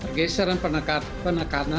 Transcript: mereka juga akan melakukan sem sequence